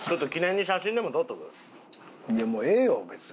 いやもうええよ別に。